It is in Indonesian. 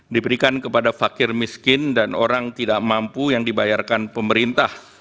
diberikan kepada fakir miskin dan orang tidak mampu yang dibayarkan pemerintah